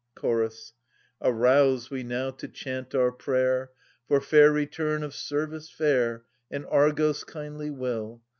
A' Chorus. Arouse we now to chant our prayer For fair return of service fair And Argos' kindly will.